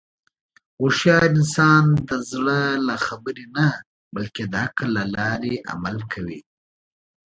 هوښیار انسان د زړه له خبرې نه، بلکې د عقل له لارې عمل کوي.